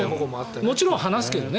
もちろん放すけどね